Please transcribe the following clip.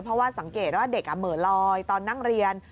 เพราะว่าสังเกตว่าเด็กเหมือนลอยตอนนั่งเรียน